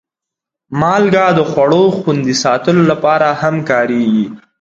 مالګه د خوړو خوندي ساتلو لپاره هم کارېږي.